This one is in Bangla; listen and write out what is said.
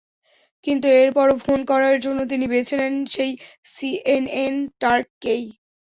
কিন্তু এরপরও ফোন করার জন্য তিনি বেছে নেন সেই সিএনএন টার্ককেই।